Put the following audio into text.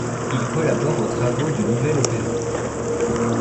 Il collabore aux travaux du nouvel opéra.